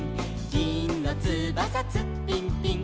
「ぎんのつばさツッピンピン」